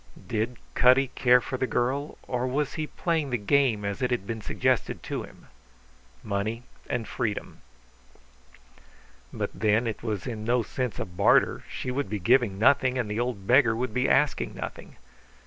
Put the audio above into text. Did Cutty care for the girl, or was he playing the game as it had been suggested to him? Money and freedom. But then, it was in no sense a barter; she would be giving nothing, and the old beggar would be asking nothing.